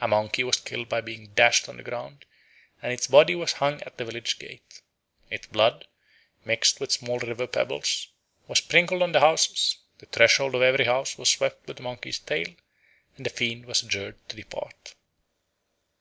A monkey was killed by being dashed on the ground, and its body was hung at the village gate. Its blood, mixed with small river pebbles, was sprinkled on the houses, the threshold of every house was swept with the monkey's tail, and the fiend was adjured to depart.